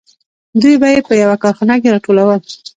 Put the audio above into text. دوی به یې په یوه کارخانه کې راټولول